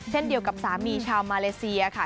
เช่นเดียวกับสามีชาวมาเลเซียค่ะ